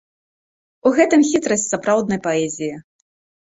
У гэтым хітрасць сапраўднай паэзіі.